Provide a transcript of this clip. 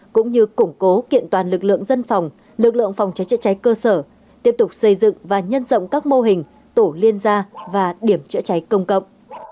cũng như củng cố kiện toàn lực lượng dân phòng lực lượng phòng cháy chữa cháy cơ sở tiếp tục xây dựng và nhân rộng các mô hình tổ liên gia và điểm chữa cháy công cộng